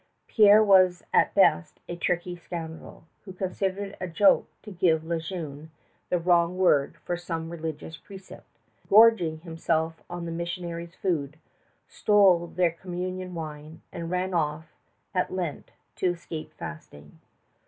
Pierre was at best a tricky scoundrel, who considered it a joke to give Le Jeune the wrong word for some religious precept, gorged himself on the missionaries' food, stole their communion wine, and ran off at Lent to escape fasting.